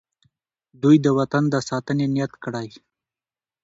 دوی د وطن د ساتنې نیت کړی.